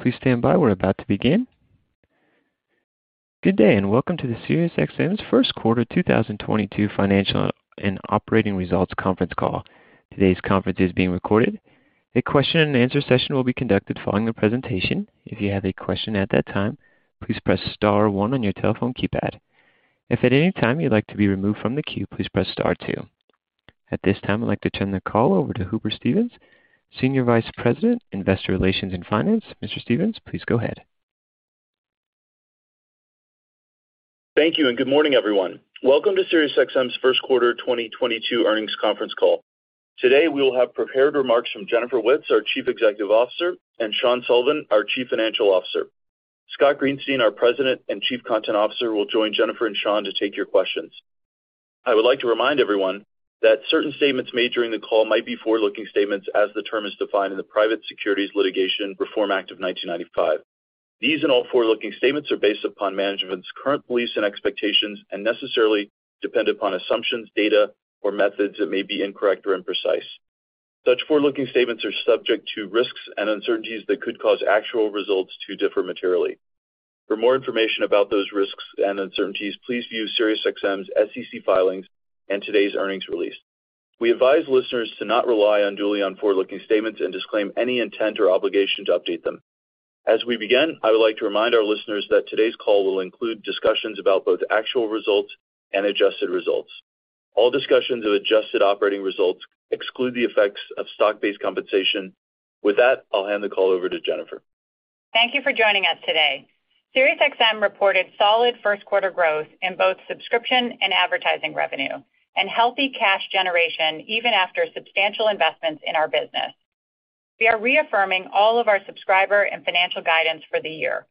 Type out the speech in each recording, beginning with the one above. Please stand by. We're about to begin. Good day, and welcome to the SiriusXM's first quarter 2022 financial and operating results conference call. Today's conference is being recorded. A question-and-answer session will be conducted following the presentation. If you have a question at that time, please press star one on your telephone keypad. If at any time you'd like to be removed from the queue, please press star two. At this time, I'd like to turn the call over to Hooper Stevens, Senior Vice President, Investor Relations and Finance. Mr. Stevens, please go ahead. Thank you, and good morning, everyone. Welcome to SiriusXM's first quarter 2022 earnings conference call. Today, we will have prepared remarks from Jennifer Witz, our Chief Executive Officer, and Sean Sullivan, our Chief Financial Officer. Scott Greenstein, our President and Chief Content Officer, will join Jennifer and Sean to take your questions. I would like to remind everyone that certain statements made during the call might be forward-looking statements as the term is defined in the Private Securities Litigation Reform Act of 1995. These and all forward-looking statements are based upon management's current beliefs and expectations and necessarily depend upon assumptions, data, or methods that may be incorrect or imprecise. Such forward-looking statements are subject to risks and uncertainties that could cause actual results to differ materially. For more information about those risks and uncertainties, please view SiriusXM's SEC filings and today's earnings release. We advise listeners to not rely unduly on forward-looking statements and disclaim any intent or obligation to update them. As we begin, I would like to remind our listeners that today's call will include discussions about both actual results and adjusted results. All discussions of adjusted operating results exclude the effects of stock-based compensation. With that, I'll hand the call over to Jennifer Witz. Thank you for joining us today. SiriusXM reported solid first quarter growth in both subscription and advertising revenue and healthy cash generation even after substantial investments in our business. We are reaffirming all of our subscriber and financial guidance for the year.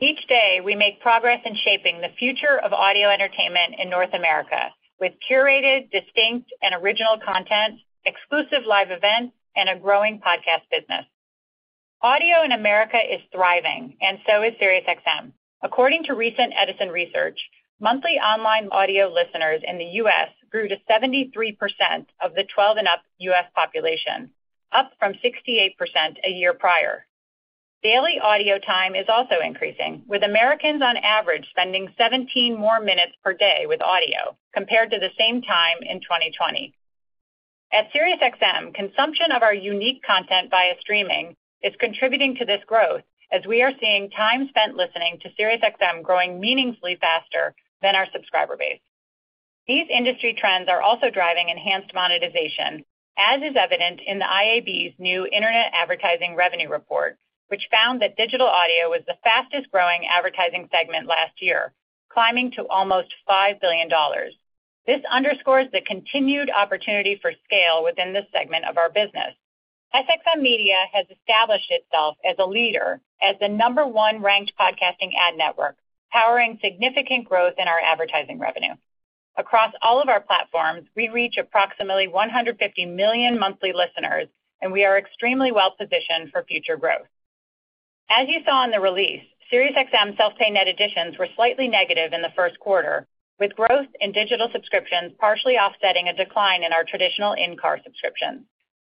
Each day, we make progress in shaping the future of audio entertainment in North America with curated, distinct, and original content, exclusive live events, and a growing podcast business. Audio in America is thriving, and so is SiriusXM. According to recent Edison Research, monthly online audio listeners in the US grew to 73% of the 12+ U.S. population, up from 68% a year prior. Daily audio time is also increasing, with Americans on average spending 17 more minutes per day with audio compared to the same time in 2020. At SiriusXM, consumption of our unique content via streaming is contributing to this growth as we are seeing time spent listening to SiriusXM growing meaningfully faster than our subscriber base. These industry trends are also driving enhanced monetization, as is evident in the IAB's new Internet Advertising Revenue report, which found that digital audio was the fastest-growing advertising segment last year, climbing to almost $5 billion. This underscores the continued opportunity for scale within this segment of our business. SXM Media has established itself as a leader as the number one-ranked podcasting ad network, powering significant growth in our advertising revenue. Across all of our platforms, we reach approximately 150 million monthly listeners, and we are extremely well-positioned for future growth. As you saw in the release, SiriusXM self-pay net additions were slightly negative in the first quarter, with growth in digital subscriptions partially offsetting a decline in our traditional in-car subscriptions.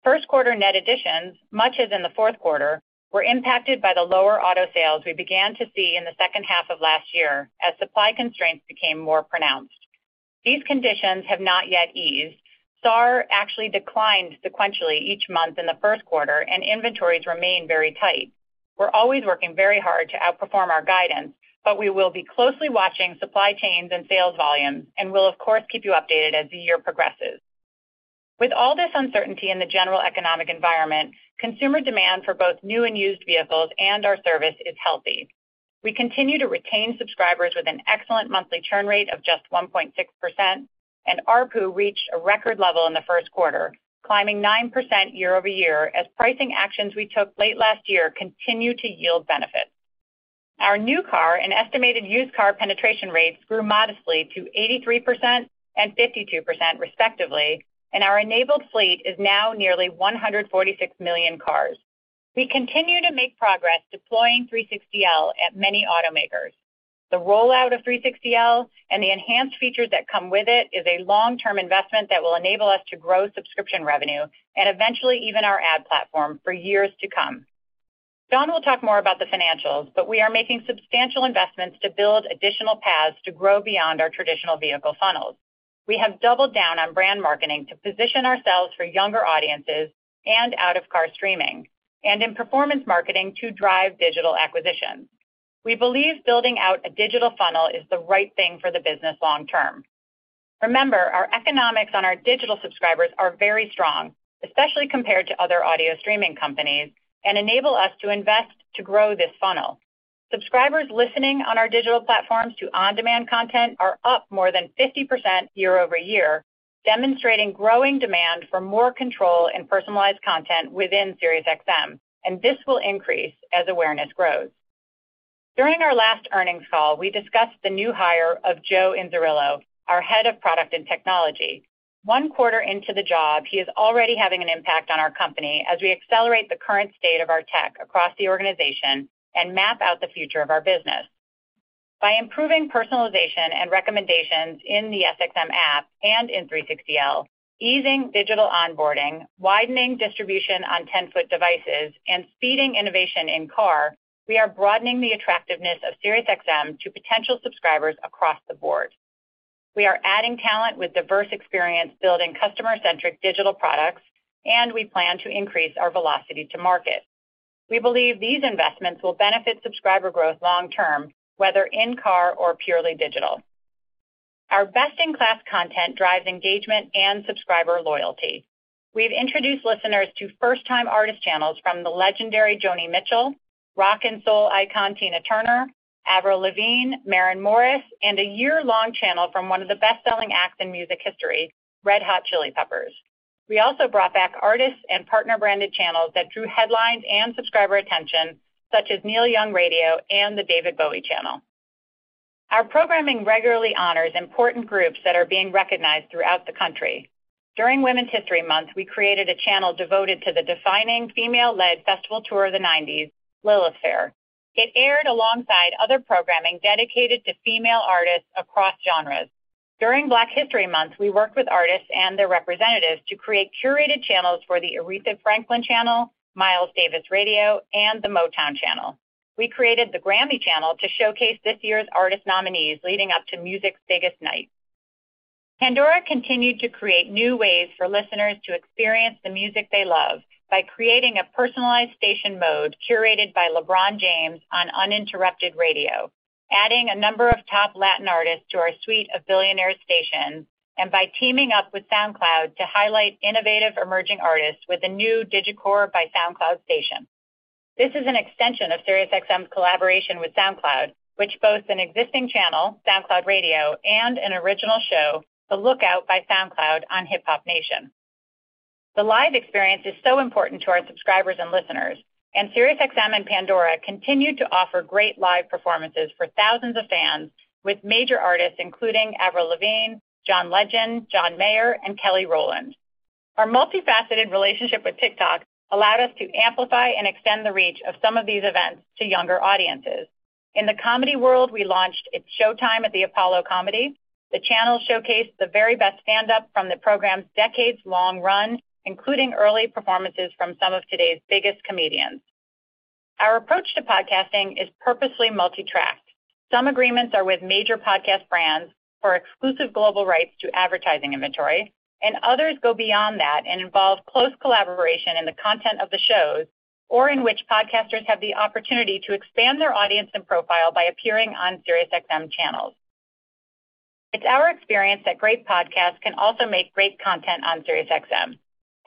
First quarter net additions, much as in the fourth quarter, were impacted by the lower auto sales we began to see in the second half of last year as supply constraints became more pronounced. These conditions have not yet eased. SAAR actually declined sequentially each month in the first quarter, and inventories remain very tight. We're always working very hard to outperform our guidance, but we will be closely watching supply chains and sales volumes, and we'll of course keep you updated as the year progresses. With all this uncertainty in the general economic environment, consumer demand for both new and used vehicles and our service is healthy. We continue to retain subscribers with an excellent monthly churn rate of just 1.6%, and ARPU reached a record level in the first quarter, climbing 9% year-over-year as pricing actions we took late last year continue to yield benefits. Our new car and estimated used car penetration rates grew modestly to 83% and 52%, respectively, and our enabled fleet is now nearly 146 million cars. We continue to make progress deploying SiriusXM 360L at many automakers. The rollout of SiriusXM 360L and the enhanced features that come with it is a long-term investment that will enable us to grow subscription revenue and eventually even our ad platform for years to come. Sean will talk more about the financials, but we are making substantial investments to build additional paths to grow beyond our traditional vehicle funnels. We have doubled down on brand marketing to position ourselves for younger audiences and out-of-car streaming and in performance marketing to drive digital acquisitions. We believe building out a digital funnel is the right thing for the business long term. Remember, our economics on our digital subscribers are very strong, especially compared to other audio streaming companies and enable us to invest to grow this funnel. Subscribers listening on our digital platforms to on-demand content are up more than 50% year-over-year, demonstrating growing demand for more control and personalized content within SiriusXM, and this will increase as awareness grows. During our last earnings call, we discussed the new hire of Joe Inzerillo, our Head of Product and Technology. One quarter into the job, he is already having an impact on our company as we accelerate the current state of our tech across the organization and map out the future of our business. By improving personalization and recommendations in the SXM App and in SiriusXM 360L, easing digital onboarding, widening distribution on ten-foot devices, and speeding innovation in car, we are broadening the attractiveness of SiriusXM to potential subscribers across the board. We are adding talent with diverse experience building customer-centric digital products, and we plan to increase our velocity to market. We believe these investments will benefit subscriber growth long term, whether in car or purely digital. Our best-in-class content drives engagement and subscriber loyalty. We've introduced listeners to first-time artist channels from the legendary Joni Mitchell, rock and soul icon Tina Turner, Avril Lavigne, Maren Morris, and a year-long channel from one of the best-selling acts in music history, Red Hot Chili Peppers. We also brought back artists and partner-branded channels that drew headlines and subscriber attention, such as Neil Young Radio and The David Bowie Channel. Our programming regularly honors important groups that are being recognized throughout the country. During Women's History Month, we created a channel devoted to the defining female-led festival tour of the nineties, Lilith Fair. It aired alongside other programming dedicated to female artists across genres. During Black History Month, we worked with artists and their representatives to create curated channels for The Aretha Franklin Channel, Miles Davis Radio, and The Motown Channel. We created the GRAMMY Channel to showcase this year's artist nominees leading up to music's biggest night. Pandora continued to create new ways for listeners to experience the music they love by creating a personalized station mode curated by LeBron James on UNINTERRUPTED Radio, adding a number of top Latin artists to our suite of billionaire stations, and by teaming up with SoundCloud to highlight innovative emerging artists with the new Digicore by SoundCloud station. This is an extension of SiriusXM's collaboration with SoundCloud, which boasts an existing channel, SoundCloud Radio, and an original show, The Lookout by SoundCloud on Hip-Hop Nation. The live experience is so important to our subscribers and listeners, and SiriusXM and Pandora continued to offer great live performances for thousands of fans with major artists including Avril Lavigne, John Legend, John Mayer, and Kelly Rowland. Our multifaceted relationship with TikTok allowed us to amplify and extend the reach of some of these events to younger audiences. In the comedy world, we launched It's Showtime at the Apollo! Comedy. The channel showcased the very best stand-up from the program's decades-long run, including early performances from some of today's biggest comedians. Our approach to podcasting is purposely multitracked. Some agreements are with major podcast brands for exclusive global rights to advertising inventory, and others go beyond that and involve close collaboration in the content of the shows or in which podcasters have the opportunity to expand their audience and profile by appearing on SiriusXM channels. It's our experience that great podcasts can also make great content on SiriusXM,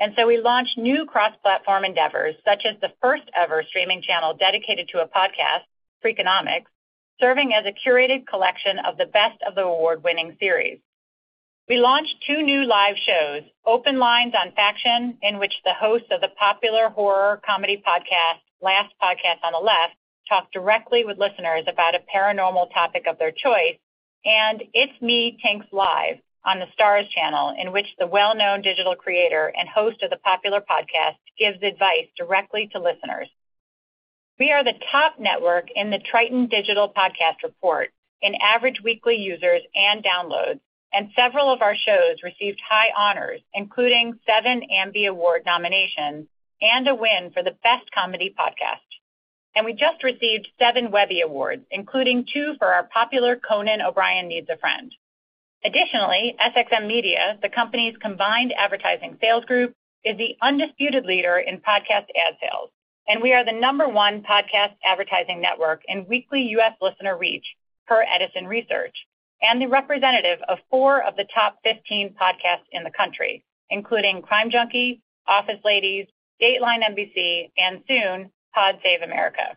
and so we launched new cross-platform endeavors such as the first-ever streaming channel dedicated to a podcast, Freakonomics, serving as a curated collection of the best of the award-winning series. We launched two new live shows, Open Lines on Faction Talk, in which the hosts of the popular horror comedy podcast, Last Podcast on the Left, talk directly with listeners about a paranormal topic of their choice, and It's Me, Tinx Live on the Stars Channel, in which the well-known digital creator and host of the popular podcast gives advice directly to listeners. We are the top network in the Triton Digital Podcast Ranker in average weekly users and downloads, and several of our shows received high honors, including seven Ambie Award nominations and a win for the best comedy podcast. We just received seven Webby Awards, including two for our popular Conan O'Brien Needs a Friend. Additionally, SXM Media, the company's combined advertising sales group, is the undisputed leader in podcast ad sales, and we are the number one podcast advertising network in weekly U.S. listener reach per Edison Research and the representative of four of the top fifteen podcasts in the country, including Crime Junkie, Office Ladies, Dateline NBC, and soon, Pod Save America.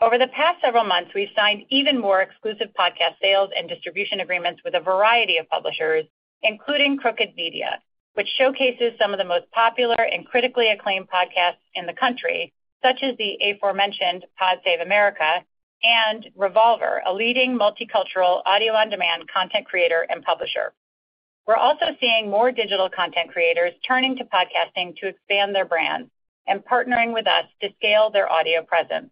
Over the past several months, we've signed even more exclusive podcast sales and distribution agreements with a variety of publishers, including Crooked Media, which showcases some of the most popular and critically acclaimed podcasts in the country, such as the aforementioned Pod Save America and reVolver Podcasts, a leading multicultural audio on-demand content creator and publisher. We're also seeing more digital content creators turning to podcasting to expand their brand and partnering with us to scale their audio presence.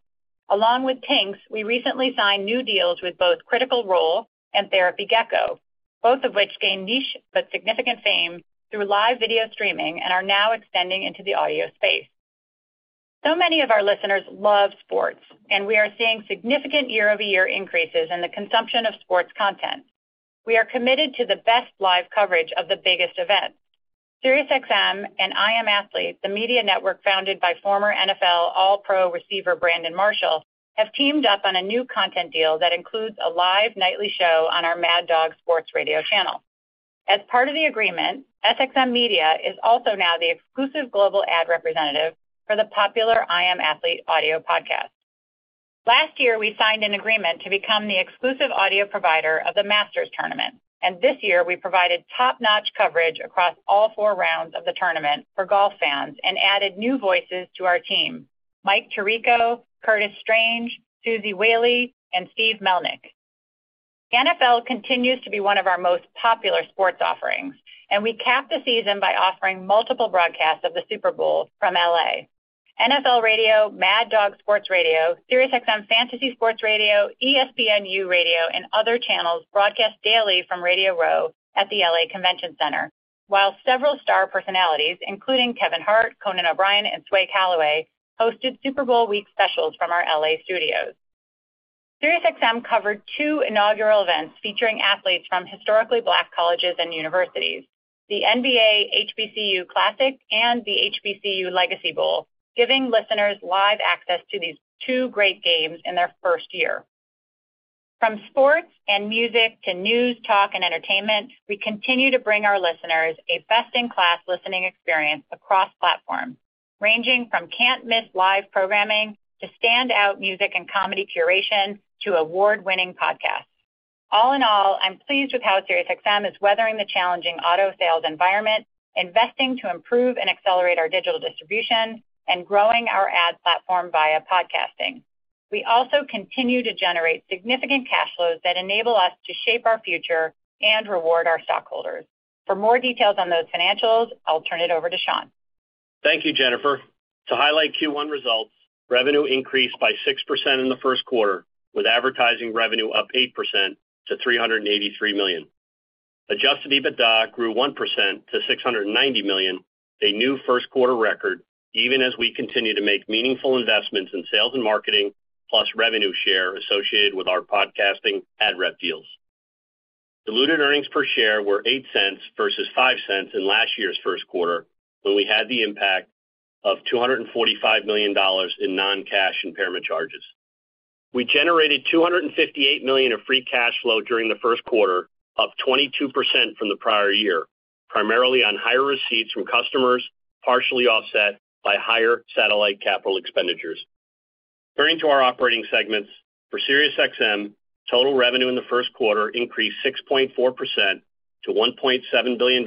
Along with Tinx, we recently signed new deals with both Critical Role and Therapy Gecko, both of which gained niche but significant fame through live video streaming and are now extending into the audio space. Many of our listeners love sports, and we are seeing significant year-over-year increases in the consumption of sports content. We are committed to the best live coverage of the biggest events. SiriusXM and I Am Athlete, the media network founded by former NFL All-Pro receiver Brandon Marshall, have teamed up on a new content deal that includes a live nightly show on our Mad Dog Sports Radio channel. As part of the agreement, SXM Media is also now the exclusive global ad representative for the popular I Am Athlete audio podcast. Last year, we signed an agreement to become the exclusive audio provider of the Masters Tournament, and this year, we provided top-notch coverage across all four rounds of the tournament for golf fans and added new voices to our team, Mike Tirico, Curtis Strange, Suzy Whaley, and Steve Melnyk. NFL continues to be one of our most popular sports offerings, and we capped the season by offering multiple broadcasts of the Super Bowl from L.A. NFL Radio, Mad Dog Sports Radio, SiriusXM Fantasy Sports Radio, ESPNU Radio, and other channels broadcast daily from Radio Row at the L.A. Convention Center. While several star personalities, including Kevin Hart, Conan O'Brien, and Sway Calloway, hosted Super Bowl week specials from our L.A. studios. SiriusXM covered two inaugural events featuring athletes from historically black colleges and universities, the NBA HBCU Classic and the HBCU Legacy Bowl, giving listeners live access to these two great games in their first year. From sports and music to news, talk, and entertainment, we continue to bring our listeners a best-in-class listening experience across platforms ranging from can't-miss live programming to standout music and comedy curation to award-winning podcasts. All in all, I'm pleased with how SiriusXM is weathering the challenging auto sales environment, investing to improve and accelerate our digital distribution, and growing our ad platform via podcasting. We also continue to generate significant cash flows that enable us to shape our future and reward our stockholders. For more details on those financials, I'll turn it over to Sean. Thank you, Jennifer. To highlight Q1 results, revenue increased by 6% in the first quarter, with advertising revenue up 8% to $383 million. Adjusted EBITDA grew 1% to $690 million, a new first quarter record, even as we continue to make meaningful investments in sales and marketing plus revenue share associated with our podcasting ad rep deals. Diluted earnings per share were $0.08 versus $0.05 in last year's first quarter, when we had the impact of $245 million in non-cash impairment charges. We generated $258 million of free cash flow during the first quarter, up 22% from the prior year, primarily on higher receipts from customers, partially offset by higher satellite capital expenditures. Turning to our operating segments. For SiriusXM, total revenue in the first quarter increased 6.4% to $1.7 billion,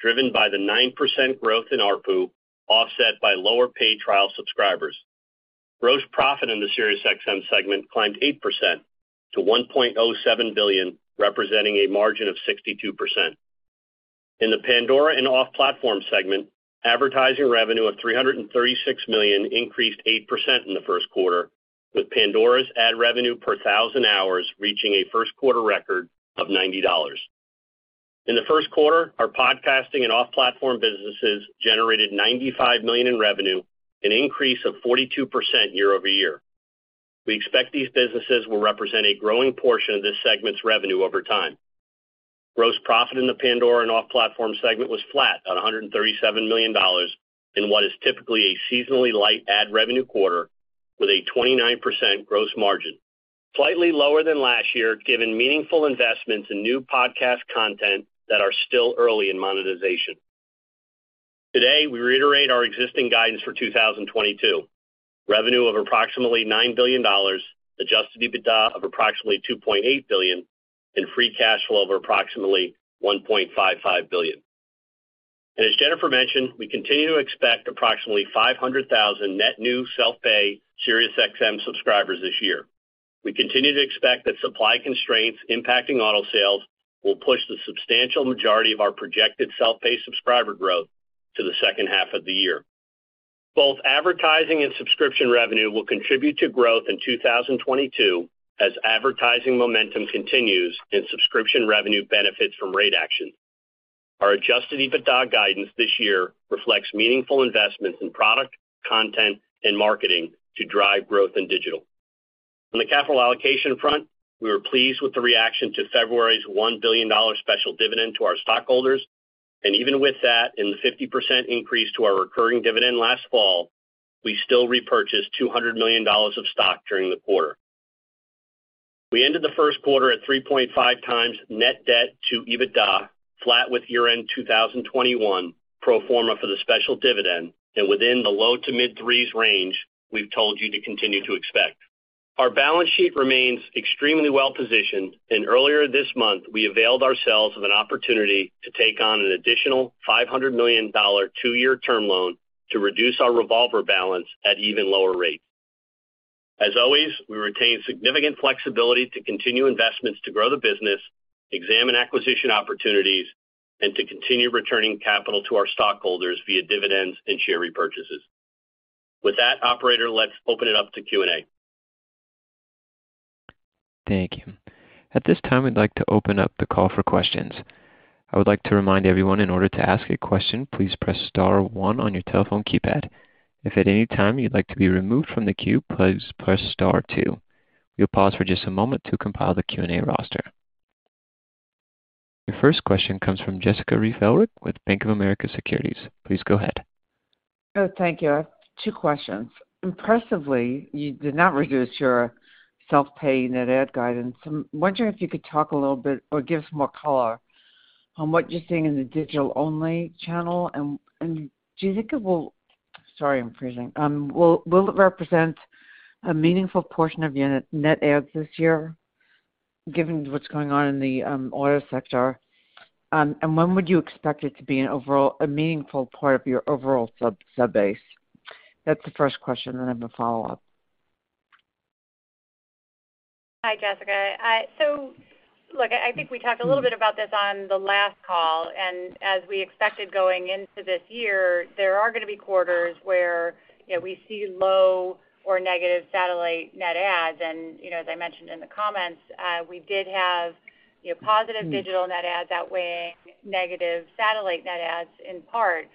driven by the 9% growth in ARPU, offset by lower paid trial subscribers. Gross profit in the SiriusXM segment climbed 8% to $1.07 billion, representing a margin of 62%. In the Pandora and off-platform segment, advertising revenue of $336 million increased 8% in the first quarter, with Pandora's ad revenue per thousand hours reaching a first quarter record of $90. In the first quarter, our podcasting and off-platform businesses generated $95 million in revenue, an increase of 42% year-over-year. We expect these businesses will represent a growing portion of this segment's revenue over time. Gross profit in the Pandora and off-platform segment was flat at $137 million in what is typically a seasonally light ad revenue quarter with a 29% gross margin. Slightly lower than last year, given meaningful investments in new podcast content that are still early in monetization. Today, we reiterate our existing guidance for 2022. Revenue of approximately $9 billion, adjusted EBITDA of approximately $2.8 billion, and free cash flow of approximately $1.55 billion. As Jennifer mentioned, we continue to expect approximately 500,000 net new self-pay SiriusXM subscribers this year. We continue to expect that supply constraints impacting auto sales will push the substantial majority of our projected self-pay subscriber growth to the second half of the year. Both advertising and subscription revenue will contribute to growth in 2022 as advertising momentum continues and subscription revenue benefits from rate action. Our adjusted EBITDA guidance this year reflects meaningful investments in product, content and marketing to drive growth in digital. On the capital allocation front, we were pleased with the reaction to February's $1 billion special dividend to our stockholders, and even with that and the 50% increase to our recurring dividend last fall, we still repurchased $200 million of stock during the quarter. We ended the first quarter at 3.5x net debt to EBITDA, flat with year-end 2021, pro forma for the special dividend and within the low to mid-threes range we've told you to continue to expect. Our balance sheet remains extremely well-positioned, and earlier this month, we availed ourselves of an opportunity to take on an additional $500 million two-year term loan to reduce our revolver balance at even lower rates. As always, we retain significant flexibility to continue investments to grow the business, examine acquisition opportunities, and to continue returning capital to our stockholders via dividends and share repurchases. With that, operator, let's open it up to Q&A. Thank you. At this time, we'd like to open up the call for questions. I would like to remind everyone in order to ask a question, please press star one on your telephone keypad. If at any time you'd like to be removed from the queue, please press star two. We'll pause for just a moment to compile the Q&A roster. Your first question comes from Jessica Reif Ehrlich with Bank of America Securities. Please go ahead. Oh, thank you. I have two questions. Impressively, you did not reduce your self-pay net ad guidance. I'm wondering if you could talk a little bit or give us more color on what you're seeing in the digital-only channel. Do you think it will represent a meaningful portion of your net ads this year given what's going on in the auto sector? Sorry, I'm freezing. When would you expect it to be an overall meaningful part of your overall sub base? That's the first question, and I have a follow-up. Hi, Jessica. Look, I think we talked a little bit about this on the last call, and as we expected going into this year, there are gonna be quarters where, you know, we see low or negative satellite net adds. You know, as I mentioned in the comments, we did have, you know, positive digital net adds outweighing negative satellite net adds in part.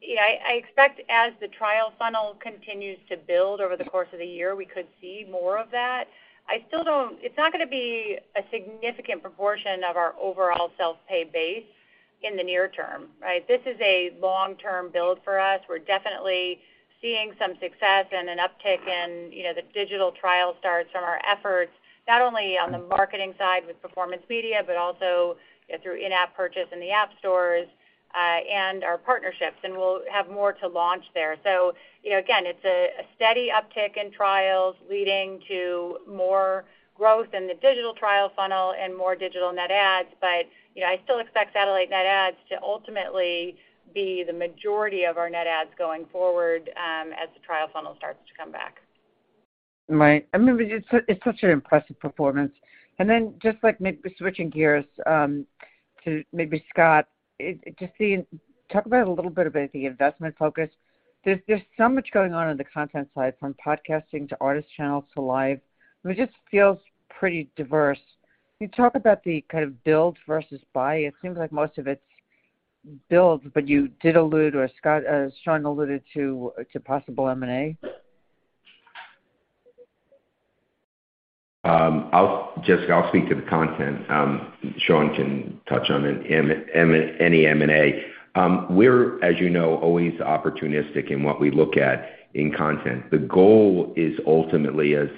You know, I expect as the trial funnel continues to build over the course of the year, we could see more of that. I still don't. It's not gonna be a significant proportion of our overall self-pay base in the near term, right? This is a long-term build for us. We're definitely seeing some success and an uptick in, you know, the digital trial starts from our efforts, not only on the marketing side with performance media, but also through in-app purchase in the app stores, and our partnerships, and we'll have more to launch there. You know, again, it's a steady uptick in trials leading to more growth in the digital trial funnel and more digital net adds. You know, I still expect satellite net adds to ultimately be the majority of our net adds going forward, as the trial funnel starts to come back. Right. I mean, it's such an impressive performance. Just like switching gears to maybe Scott, talk about a little bit about the investment focus. There's so much going on in the content side, from podcasting to artist channels to Live. It just feels pretty diverse. Can you talk about the kind of build versus buy? It seems like most of it's build, but you did allude, or Scott, Sean alluded to possible M&A. Jessica, I'll speak to the content. Sean can touch on many M&A. We're, as you know, always opportunistic in what we look at in content. The goal is ultimately, as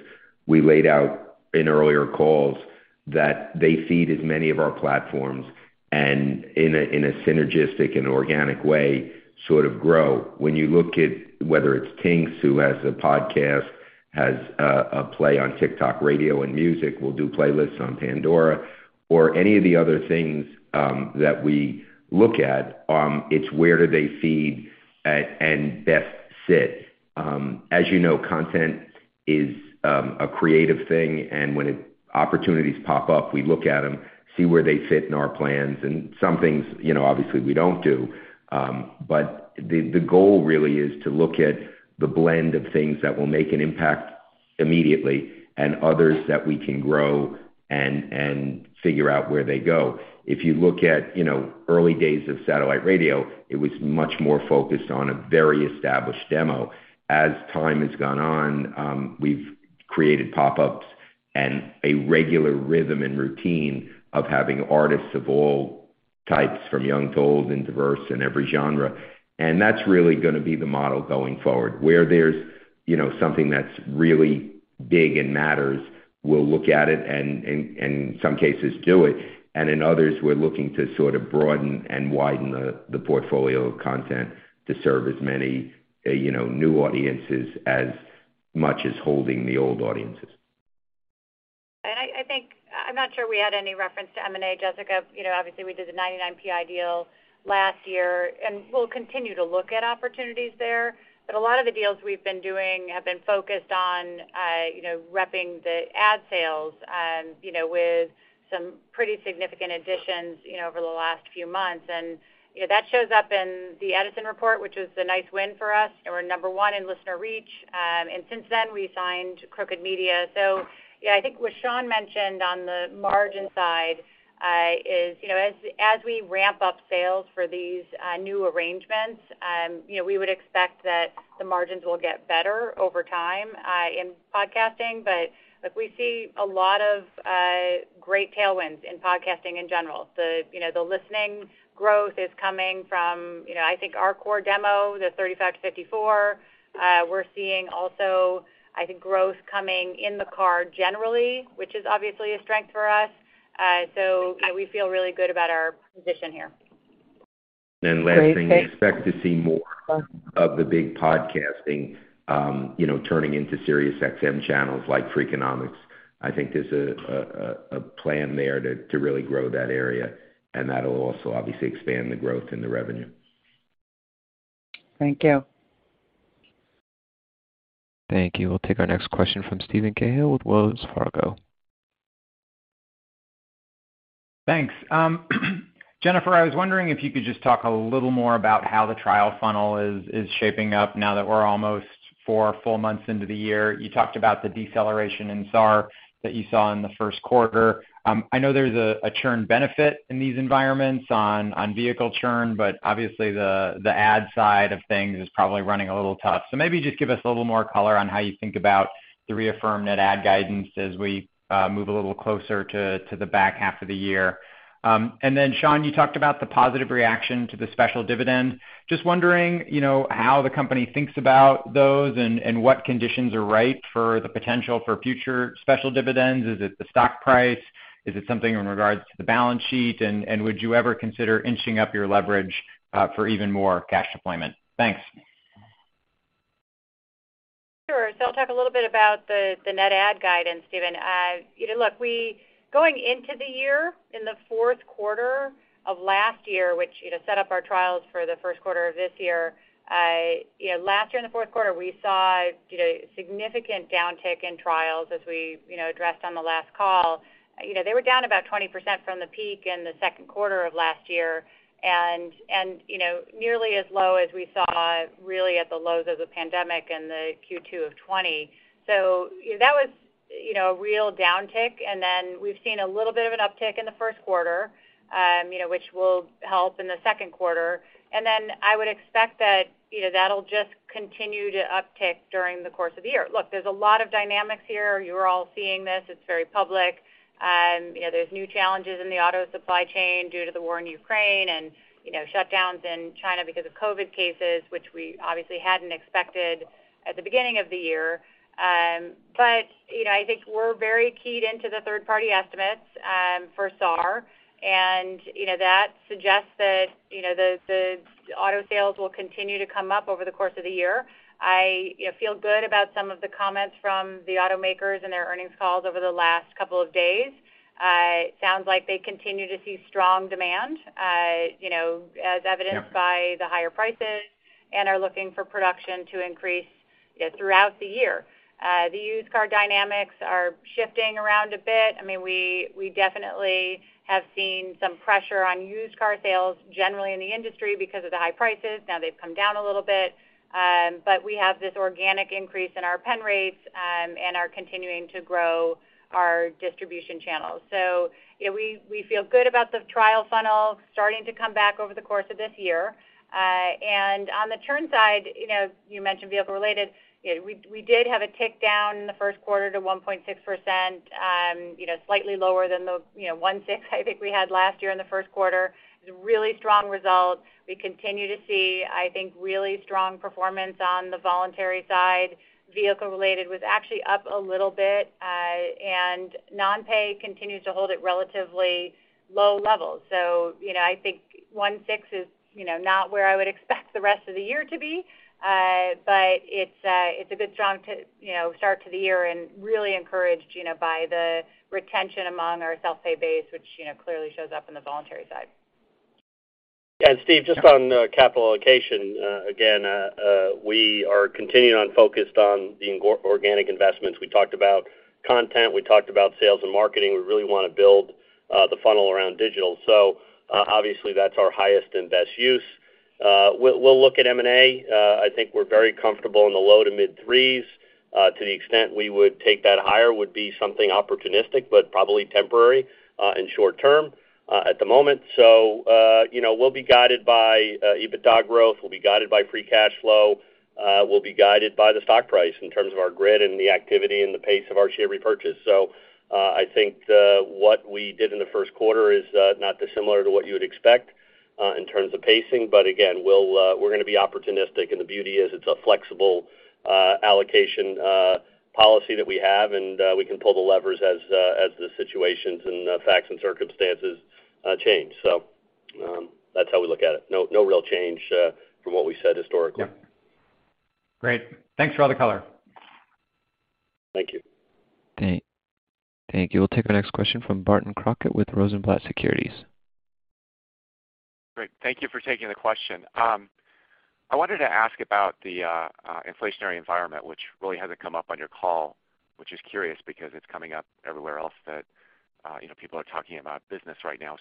we laid out in earlier calls, that they feed as many of our platforms and in a synergistic and organic way, sort of grow. When you look at whether it's Tinx who has a podcast, has a play on TikTok Radio and Music, we'll do playlists on Pandora or any of the other things that we look at, it's where do they feed at and best sit. As you know, content is a creative thing, and when opportunities pop up, we look at them, see where they fit in our plans, and some things, you know, obviously we don't do. The goal really is to look at the blend of things that will make an impact immediately and others that we can grow and figure out where they go. If you look at, you know, early days of satellite radio, it was much more focused on a very established demo. As time has gone on, we've created pop-ups and a regular rhythm and routine of having artists of all types from young to old and diverse in every genre. That's really gonna be the model going forward. Where there's, you know, something that's really big and matters, we'll look at it and in some cases do it. In others, we're looking to sort of broaden and widen the portfolio of content to serve as many, you know, new audiences as much as holding the old audiences. I think I'm not sure we had any reference to M&A, Jessica. You know, obviously we did the 99% Invisible deal last year, and we'll continue to look at opportunities there. A lot of the deals we've been doing have been focused on, you know, repping the ad sales, you know, with some pretty significant additions, you know, over the last few months. You know, that shows up in the Edison report, which was a nice win for us, and we're number one in listener reach. Since then, we signed Crooked Media. Yeah, I think what Sean mentioned on the margin side, is, you know, as we ramp up sales for these, new arrangements, you know, we would expect that the margins will get better over time, in podcasting. Look, we see a lot of great tailwinds in podcasting in general. The, you know, the listening growth is coming from, you know, I think our core demo, the 35%-54%. We're seeing also, I think, growth coming in the car generally, which is obviously a strength for us. We feel really good about our position here. Last thing, we expect to see more of the big podcasting, you know, turning into SiriusXM channels like Freakonomics. I think there's a plan there to really grow that area, and that'll also obviously expand the growth and the revenue. Thank you. Thank you. We'll take our next question from Steven Cahall with Wells Fargo. Thanks. Jennifer, I was wondering if you could just talk a little more about how the trial funnel is shaping up now that we're almost four full months into the year. You talked about the deceleration in SAR that you saw in the first quarter. I know there's a churn benefit in these environments on vehicle churn, but obviously the ad side of things is probably running a little tough. Maybe just give us a little more color on how you think about the reaffirmed net add guidance as we move a little closer to the back half of the year. Sean, you talked about the positive reaction to the special dividend. Just wondering, you know, how the company thinks about those and what conditions are ripe for the potential for future special dividends. Is it the stock price? Is it something in regards to the balance sheet? And would you ever consider inching up your leverage, for even more cash deployment? Thanks. Sure. I'll talk a little bit about the net add guidance, Steven. You know, look, we going into the year in the fourth quarter of last year, which, you know, set up our trials for the first quarter of this year, you know, last year in the fourth quarter, we saw, you know, significant downtick in trials as we, you know, addressed on the last call. You know, they were down about 20% from the peak in the second quarter of last year and, you know, nearly as low as we saw really at the lows of the pandemic in the Q2 of 2020. You know, that was, you know, a real downtick. We've seen a little bit of an uptick in the first quarter, you know, which will help in the second quarter. Then I would expect that, you know, that'll just continue to uptick during the course of the year. Look, there's a lot of dynamics here. You're all seeing this. It's very public. You know, there's new challenges in the auto supply chain due to the war in Ukraine and, you know, shutdowns in China because of COVID cases, which we obviously hadn't expected at the beginning of the year. You know, I think we're very keyed into the third-party estimates for SAR, and, you know, that suggests that, you know, the auto sales will continue to come up over the course of the year. I, you know, feel good about some of the comments from the automakers and their earnings calls over the last couple of days. It sounds like they continue to see strong demand, you know, as evidenced- Yeah. ...by the higher prices and are looking for production to increase, you know, throughout the year. The used car dynamics are shifting around a bit. I mean, we definitely have seen some pressure on used car sales generally in the industry because of the high prices. Now they've come down a little bit. But we have this organic increase in our pen rates, and are continuing to grow our distribution channels. So, you know, we feel good about the trial funnel starting to come back over the course of this year. And on the churn side, you mentioned vehicle-related. We did have a tick-down in the first quarter to 1.6%, you know, slightly lower than the 1.6% I think we had last year in the first quarter. It's really strong results. We continue to see, I think, really strong performance on the voluntary side. Vehicle-related was actually up a little bit, and non-pay continues to hold at relatively low levels. You know, I think 1.6% is, you know, not where I would expect the rest of the year to be. But it's a good, strong start to the year and I'm really encouraged, you know, by the retention among our self-pay base, which, you know, clearly shows up in the voluntary side. Steve, just on capital allocation, again, we are continuing focused on the organic investments. We talked about content. We talked about sales and marketing. We really wanna build the funnel around digital. Obviously, that's our highest and best use. We'll look at M&A. I think we're very comfortable in the low to mid threes. To the extent we would take that higher would be something opportunistic but probably temporary and short term at the moment. You know, we'll be guided by EBITDA growth. We'll be guided by free cash flow. We'll be guided by the stock price in terms of our debt and the activity and the pace of our share repurchase. I think what we did in the first quarter is not dissimilar to what you would expect in terms of pacing. Again, we're gonna be opportunistic, and the beauty is it's a flexible allocation policy that we have, and we can pull the levers as the situations and facts and circumstances change. That's how we look at it. No real change from what we said historically. Yeah. Great. Thanks for all the color. Thank you. Thank you. We'll take our next question from Barton Crockett with Rosenblatt Securities. Great. Thank you for taking the question. I wanted to ask about the inflationary environment, which really hasn't come up on your call, which is curious because it's coming up everywhere else that, you know, people are talking about business right now.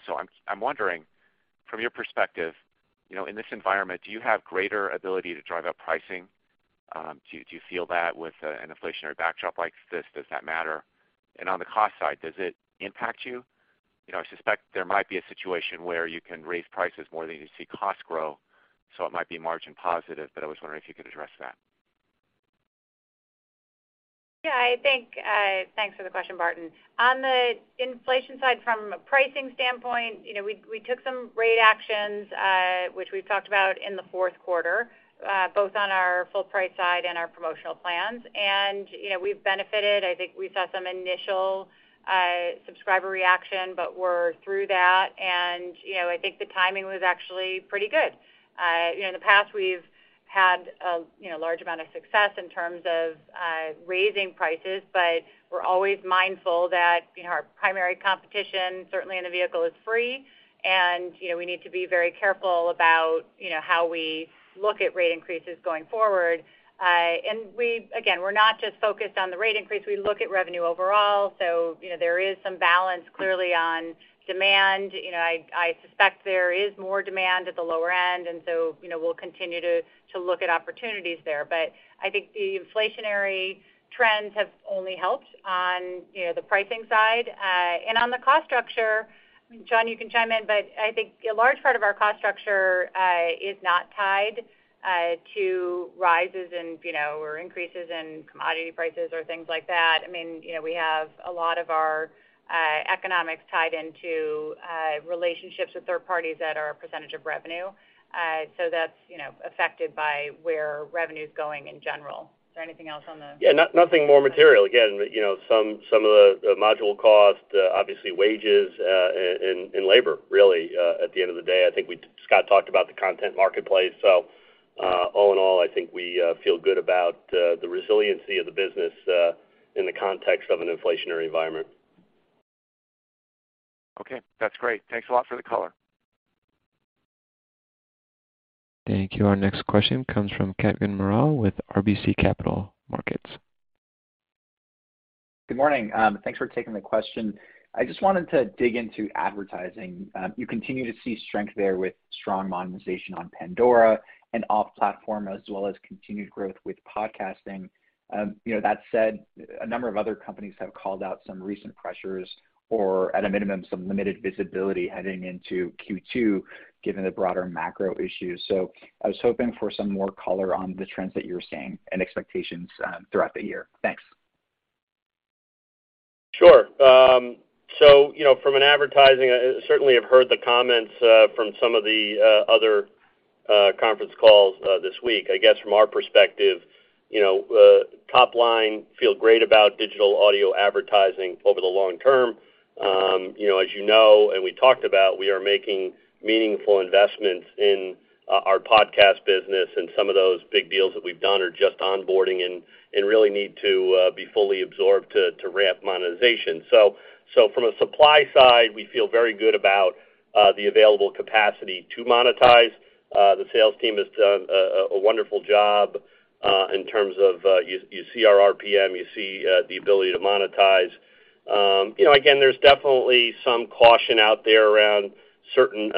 I'm wondering from your perspective, you know, in this environment, do you have greater ability to drive up pricing? Do you feel that with an inflationary backdrop like this, does that matter? And on the cost side, does it impact you? You know, I suspect there might be a situation where you can raise prices more than you see costs grow, so it might be margin positive, but I was wondering if you could address that. Yeah, I think. Thanks for the question, Barton. On the inflation side from a pricing standpoint, you know, we took some rate actions, which we've talked about in the fourth quarter, both on our full price side and our promotional plans. You know, we've benefited. I think we saw some initial subscriber reaction, but we're through that. You know, I think the timing was actually pretty good. You know, in the past, we've had a, you know, large amount of success in terms of raising prices, but we're always mindful that, you know, our primary competition, certainly in the vehicle, is free. You know, we need to be very careful about, you know, how we look at rate increases going forward. And again, we're not just focused on the rate increase. We look at revenue overall. You know, there is some balance clearly on demand. You know, I suspect there is more demand at the lower end, and so, you know, we'll continue to look at opportunities there. I think the inflationary trends have only helped on, you know, the pricing side. On the cost structure, Sean, you can chime in, but I think a large part of our cost structure is not tied to rises in, you know, or increases in commodity prices or things like that. I mean, you know, we have a lot of our economics tied into relationships with third parties that are a percentage of revenue. That's, you know, affected by where revenue's going in general. Is there anything else on the- Yeah, nothing more material. Again, you know, some of the module cost, obviously wages, and labor really, at the end of the day. I think Scott talked about the content marketplace. All in all, I think we feel good about the resiliency of the business in the context of an inflationary environment. Okay, that's great. Thanks a lot for the color. Thank you. Our next question comes from Kutgun Maral with RBC Capital Markets. Good morning. Thanks for taking the question. I just wanted to dig into advertising. You continue to see strength there with strong monetization on Pandora and off-platform, as well as continued growth with podcasting. You know, that said, a number of other companies have called out some recent pressures or at a minimum, some limited visibility heading into Q2, given the broader macro issues. I was hoping for some more color on the trends that you're seeing and expectations throughout the year. Thanks. Sure. You know, from an advertising, certainly have heard the comments from some of the other conference calls this week. I guess from our perspective, you know, top line feel great about digital audio advertising over the long term. You know, as you know, and we talked about we are making meaningful investments in our podcast business, and some of those big deals that we've done are just onboarding and really need to be fully absorbed to ramp monetization. From a supply side, we feel very good about the available capacity to monetize. The sales team has done a wonderful job in terms of you see our RPM, you see the ability to monetize. You know, again, there's definitely some caution out there around certain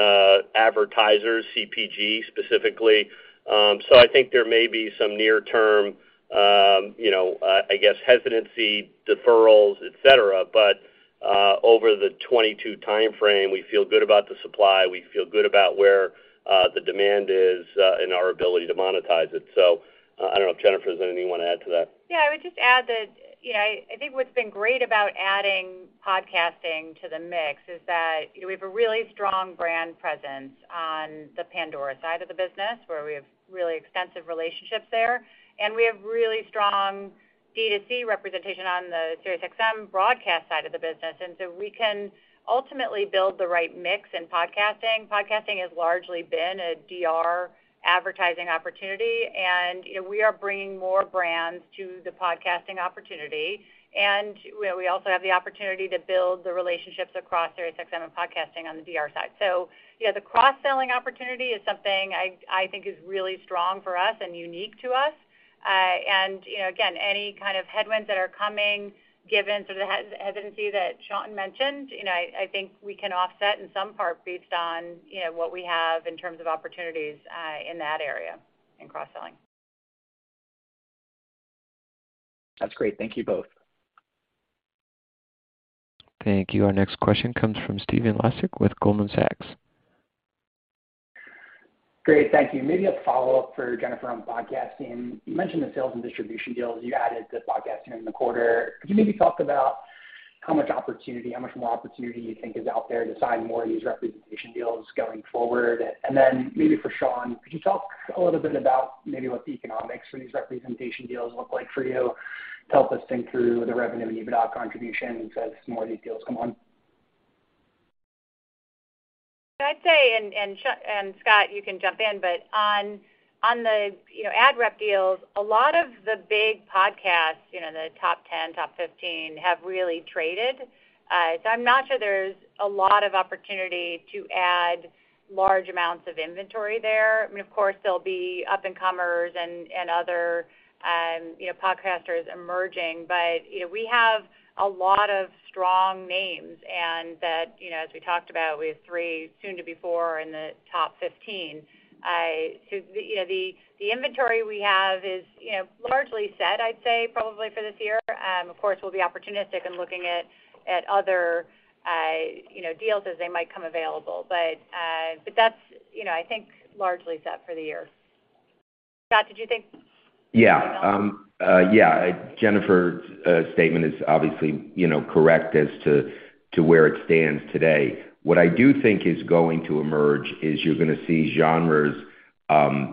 advertisers, CPG specifically. I think there may be some near term, you know, I guess hesitancy, deferrals, et cetera. Over the 2022 timeframe, we feel good about the supply. We feel good about where the demand is and our ability to monetize it. I don't know if Jennifer has anything you want to add to that. Yeah. I would just add that, you know, I think what's been great about adding podcasting to the mix is that, you know, we have a really strong brand presence on the Pandora side of the business, where we have really extensive relationships there. We have really strong D2C representation on the SiriusXM broadcast side of the business, and so we can ultimately build the right mix in podcasting. Podcasting has largely been a DR advertising opportunity, and, you know, we are bringing more brands to the podcasting opportunity. We also have the opportunity to build the relationships across SiriusXM and podcasting on the DR side. Yeah, the cross-selling opportunity is something I think is really strong for us and unique to us. You know, again, any kind of headwinds that are coming given sort of the hesitancy that Sean mentioned, you know, I think we can offset in some part based on, you know, what we have in terms of opportunities in that area in cross-selling. That's great. Thank you both. Thank you. Our next question comes from Stephen Laszczyk with Goldman Sachs. Great. Thank you. Maybe a follow-up for Jennifer on podcasting. You mentioned the sales and distribution deals you added to podcasting in the quarter. Could you maybe talk about how much opportunity, how much more opportunity you think is out there to sign more of these representation deals going forward? Then maybe for Sean, could you talk a little bit about maybe what the economics for these representation deals look like for you to help us think through the revenue and EBITDA contribution as more of these deals come on? I'd say, Sean and Scott, you can jump in, but on the, you know, ad rep deals, a lot of the big podcasts, you know, the top 10, top 15 have really traded. I'm not sure there's a lot of opportunity to add large amounts of inventory there. I mean, of course, there'll be up and comers and other, you know, podcasters emerging. You know, we have a lot of strong names and that, you know, as we talked about, we have three soon to be four in the top 15. You know, the inventory we have is, you know, largely set, I'd say, probably for this year. Of course, we'll be opportunistic in looking at other, you know, deals as they might come available. That's, you know, I think largely set for the year. Scott, did you think anything else? Yeah. Jennifer's statement is obviously, you know, correct as to where it stands today. What I do think is going to emerge is you're gonna see genres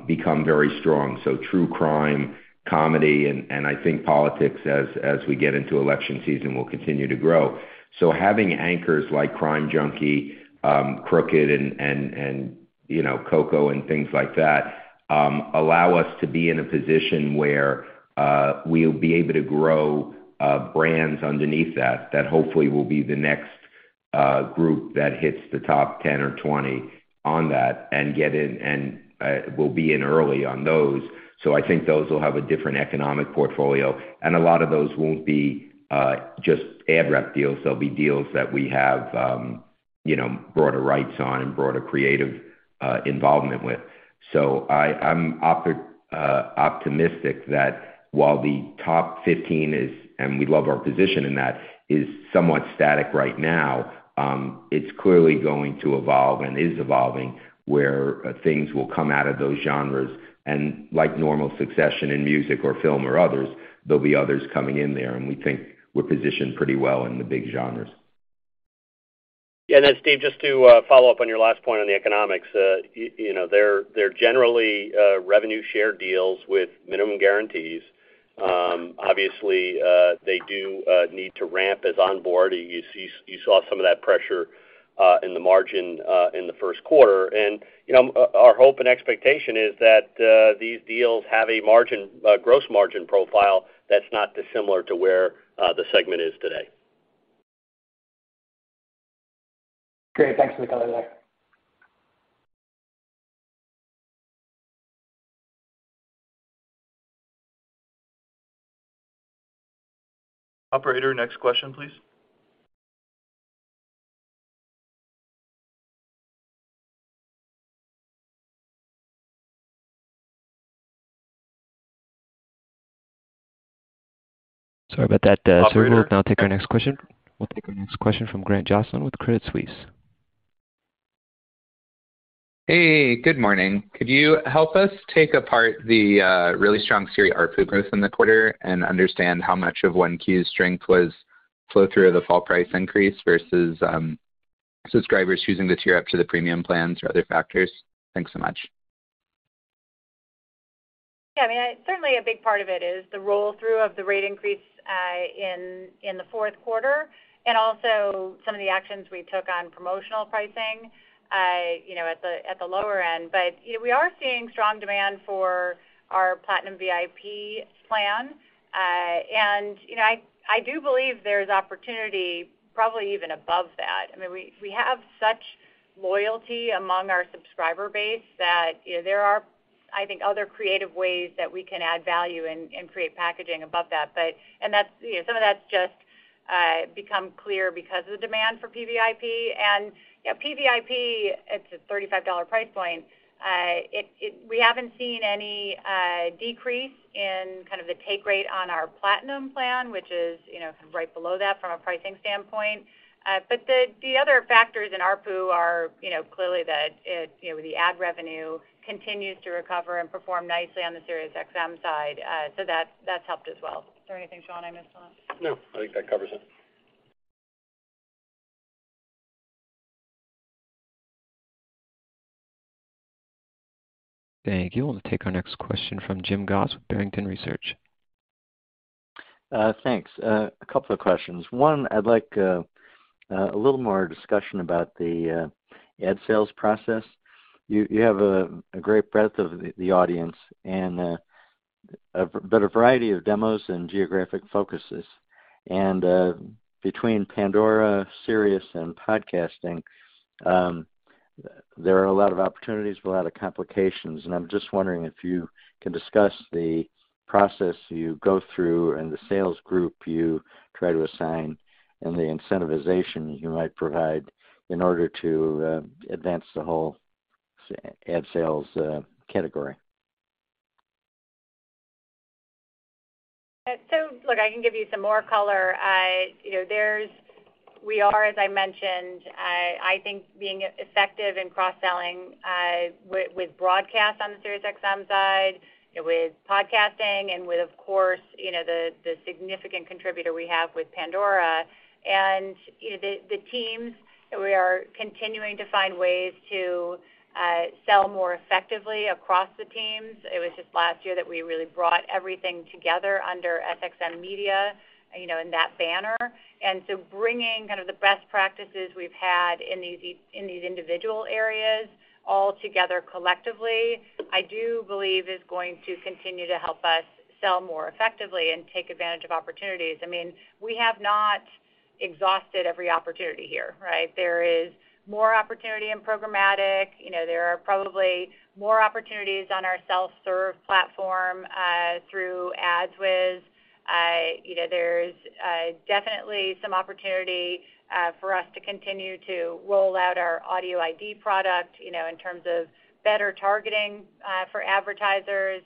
become very strong. True crime, comedy, and I think politics as we get into election season will continue to grow. Having anchors like Crime Junkie, Crooked and, you know, Coco and things like that allow us to be in a position where we'll be able to grow brands underneath that that hopefully will be the next group that hits the top 10 or 20 on that and get in and we'll be in early on those. I think those will have a different economic portfolio, and a lot of those won't be just ad rep deals. There'll be deals that we have, you know, broader rights on and broader creative involvement with. I'm optimistic that while the top 15 is, and we love our position in that, is somewhat static right now, it's clearly going to evolve and is evolving where things will come out of those genres. Like normal succession in music or film or others, there'll be others coming in there, and we think we're positioned pretty well in the big genres. Yeah. Then Steve, just to follow up on your last point on the economics. You know, they're generally revenue share deals with minimum guarantees. Obviously, they do need to ramp as they onboard. You saw some of that pressure in the margin in the first quarter. You know, our hope and expectation is that these deals have a gross margin profile that's not dissimilar to where the segment is today. Great. Thanks for the color there. Operator, next question, please. Sorry about that, now take our next question. We'll take our next question from Grant Johnson with Credit Suisse. Hey, good morning. Could you help us take apart the really strong SiriusXM ARPU growth in the quarter and understand how much of 1Q's strength was flow through the fall price increase versus subscribers choosing to tier up to the premium plans or other factors? Thanks so much. Yeah, I mean, certainly a big part of it is the roll-through of the rate increase in the fourth quarter and also some of the actions we took on promotional pricing, you know, at the lower end. We are seeing strong demand for our Platinum VIP plan. You know, I do believe there's opportunity probably even above that. I mean, we have such loyalty among our subscriber base that, you know, there are, I think, other creative ways that we can add value and create packaging above that. That's, you know, some of that's just become clear because of the demand for PVIP. You know, PVIP, it's a $35 price point. We haven't seen any decrease in kind of the take rate on our Platinum plan, which is, you know, right below that from a pricing standpoint. The other factors in ARPU are, you know, clearly the ad revenue continues to recover and perform nicely on the SiriusXM side. That's helped as well. Is there anything, Sean, I missed on? No, I think that covers it. Thank you. We'll take our next question from Jim Goss with Barrington Research. Thanks. A couple of questions. One, I'd like a little more discussion about the ad sales process. You have a great breadth of the audience and a better variety of demos and geographic focuses. Between Pandora, Sirius and podcasting, there are a lot of opportunities but a lot of complications. I'm just wondering if you can discuss the process you go through and the sales group you try to assign and the incentivization you might provide in order to advance the whole ad sales category. Look, I can give you some more color. You know, we are, as I mentioned, I think being effective in cross-selling with broadcast on the SiriusXM side, with podcasting and with, of course, you know, the significant contributor we have with Pandora. You know, the teams, we are continuing to find ways to sell more effectively across the teams. It was just last year that we really brought everything together under SXM Media, you know, in that banner. Bringing kind of the best practices we've had in these individual areas all together collectively, I do believe is going to continue to help us sell more effectively and take advantage of opportunities. I mean, we have not exhausted every opportunity here, right? There is more opportunity in programmatic. You know, there are probably more opportunities on our self-serve platform through AdsWizz. You know, there's definitely some opportunity for us to continue to roll out our AudioID product, you know, in terms of better targeting for advertisers.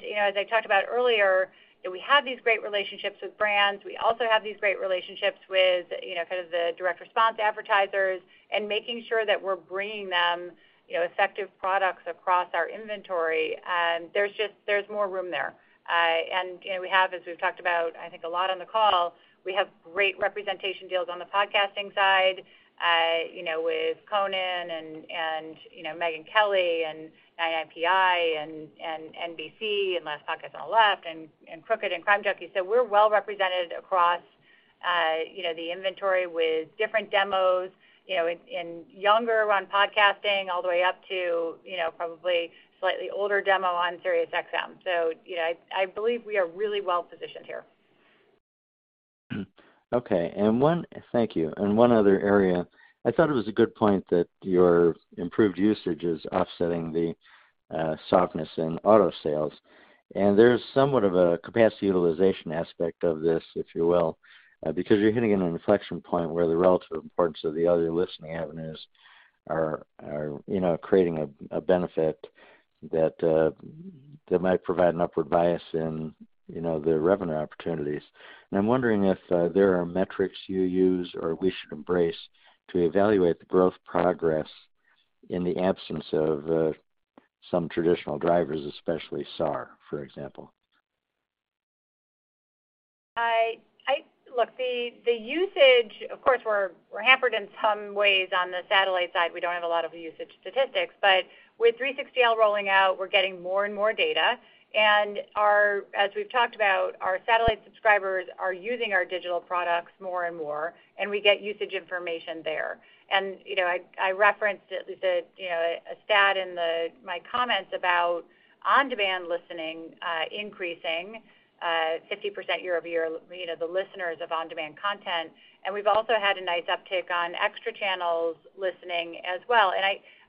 You know, as I talked about earlier, you know, we have these great relationships with brands. We also have these great relationships with, you know, kind of the direct response advertisers and making sure that we're bringing them, you know, effective products across our inventory. There's just more room there. You know, we have, as we've talked about, I think a lot on the call, we have great representation deals on the podcasting side, you know, with Conan and Megyn Kelly and I Am Athlete and NBC and Last Podcast on the Left and Crooked and Crime Junkie. We're well represented across, you know, the inventory with different demos, you know, in younger on podcasting all the way up to, you know, probably slightly older demo on SiriusXM. You know, I believe we are really well positioned here. Okay. Thank you. One other area. I thought it was a good point that your improved usage is offsetting the softness in auto sales. There's somewhat of a capacity utilization aspect of this, if you will, because you're hitting an inflection point where the relative importance of the other listening avenues are creating a benefit that might provide an upward bias in the revenue opportunities. I'm wondering if there are metrics you use or we should embrace to evaluate the growth progress in the absence of some traditional drivers, especially SAR, for example. Look, the usage, of course, we're hampered in some ways on the satellite side. We don't have a lot of usage statistics. With 360L rolling out, we're getting more and more data. As we've talked about, our satellite subscribers are using our digital products more and more, and we get usage information there. You know, I referenced the you know, a stat in my comments about on-demand listening increasing 50% year-over-year, you know, the listeners of on-demand content. We've also had a nice uptick on extra channels listening as well.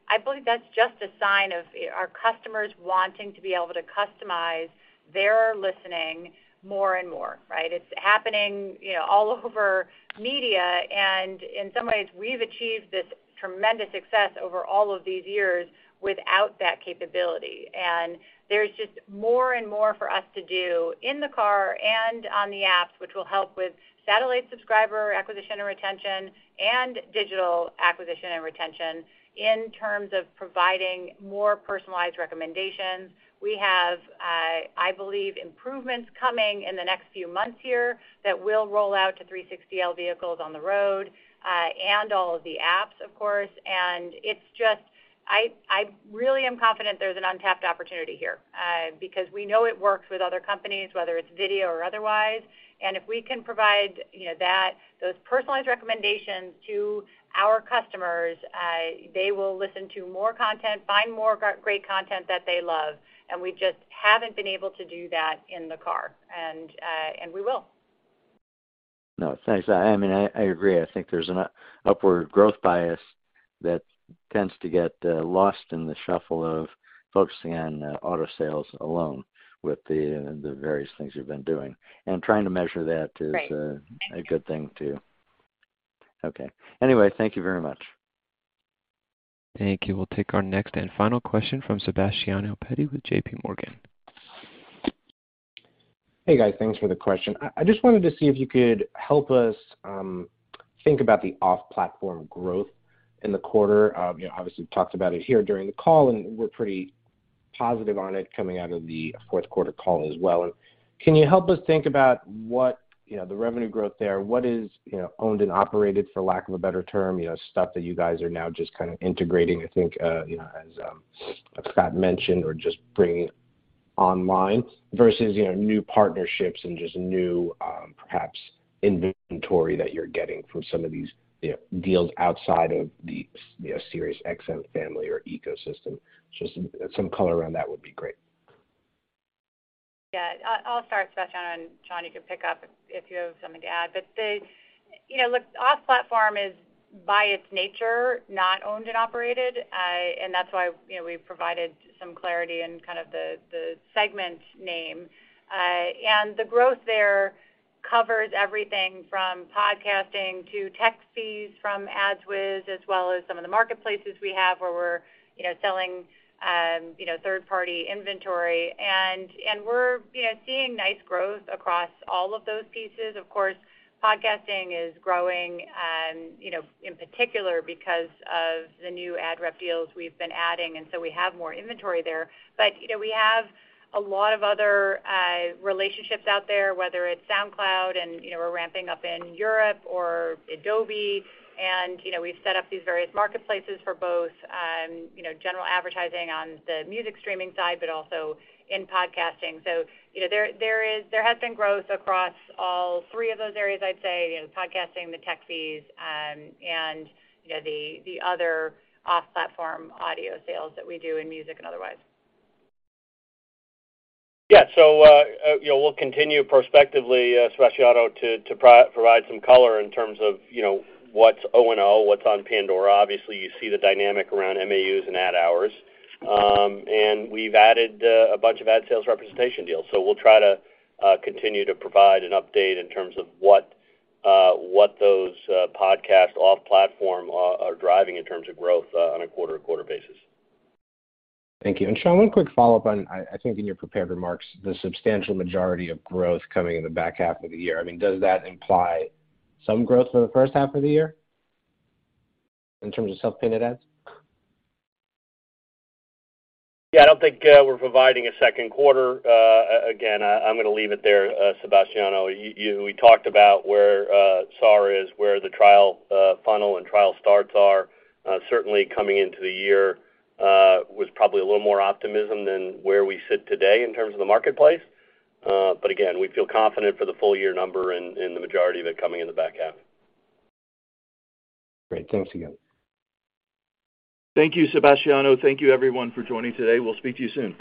I believe that's just a sign of our customers wanting to be able to customize their listening more and more, right? It's happening, you know, all over media, and in some ways, we've achieved this tremendous success over all of these years without that capability. There's just more and more for us to do in the car and on the apps, which will help with satellite subscriber acquisition and retention and digital acquisition and retention in terms of providing more personalized recommendations. We have, I believe, improvements coming in the next few months here that will roll out to 360L vehicles on the road, and all of the apps, of course. It's just. I really am confident there's an untapped opportunity here, because we know it works with other companies, whether it's video or otherwise. If we can provide, you know, that those personalized recommendations to our customers, they will listen to more content, find more great content that they love, and we just haven't been able to do that in the car, and we will. No, thanks. I mean, I agree. I think there's an upward growth bias that tends to get lost in the shuffle of focusing on auto sales alone with the various things you've been doing. Trying to measure that is. Right. A good thing too. Okay. Anyway, thank you very much. Thank you. We'll take our next and final question from Sebastiano Petti with J.P. Morgan. Hey, guys. Thanks for the question. I just wanted to see if you could help us think about the off-platform growth in the quarter. You know, obviously you talked about it here during the call, and we're pretty positive on it coming out of the fourth quarter call as well. Can you help us think about what, you know, the revenue growth there, what is, you know, owned and operated, for lack of a better term, you know, stuff that you guys are now just kind of integrating, I think, you know, as Scott mentioned, or just bringing online versus, you know, new partnerships and just new, perhaps inventory that you're getting from some of these, you know, deals outside of the, you know, SiriusXM family or ecosystem. Just some color around that would be great. I'll start, Sebastiano, and Sean. You can pick up if you have something to add. You know, look, off-platform is by its nature not owned and operated. That's why, you know, we've provided some clarity in kind of the segment name. The growth there covers everything from podcasting to tech fees from AdsWizz, as well as some of the marketplaces we have where we're, you know, selling, you know, third-party inventory. We're, you know, seeing nice growth across all of those pieces. Of course, podcasting is growing, you know, in particular because of the new ad rep deals we've been adding, and so we have more inventory there. You know, we have a lot of other relationships out there, whether it's SoundCloud and, you know, we're ramping up in Europe or Adobe. You know, we've set up these various marketplaces for both, you know, general advertising on the music streaming side, but also in podcasting. You know, there has been growth across all three of those areas, I'd say, you know, podcasting, the tech fees, and, you know, the other off-platform audio sales that we do in music and otherwise. Yeah. You know, we'll continue prospectively, Sebastiano, to provide some color in terms of, you know, what's O&O, what's on Pandora. Obviously, you see the dynamic around MAUs and ad hours. We've added a bunch of ad sales representation deals. We'll try to continue to provide an update in terms of what those podcast off-platform are driving in terms of growth on a quarter-to-quarter basis. Thank you. Sean, one quick follow-up on, I think in your prepared remarks, the substantial majority of growth coming in the back half of the year. I mean, does that imply some growth for the first half of the year in terms of self-pay adds? Yeah, I don't think we're providing a second quarter. Again, I'm gonna leave it there, Sebastiano. We talked about where SAR is, where the trial funnel and trial starts are. Certainly coming into the year was probably a little more optimism than where we sit today in terms of the marketplace. Again, we feel confident for the full year number and the majority of it coming in the back half. Great. Thanks again. Thank you, Sebastiano. Thank you everyone for joining today. We'll speak to you soon.